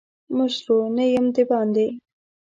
مشرو نه یم دباندي.